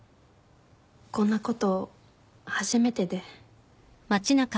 こんなこと初めてで。